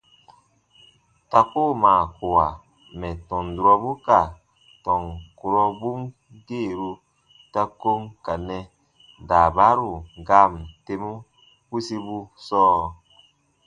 Ta koo maa kowa mɛ̀ tɔn durɔbu ka tɔn kurɔbun geeru ta ko n ka nɛ daabaaru gaan tem pusibu sɔɔ.